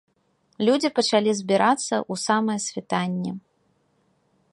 Людзі пачалі збірацца ў самае світанне.